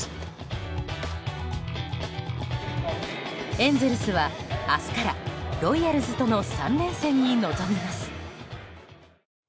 エンゼルスは明日からロイヤルズとの３連戦に臨みます。